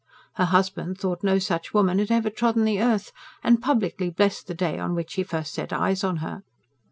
Her husband thought no such woman had ever trodden the earth, and publicly blessed the day on which he first set eyes on her.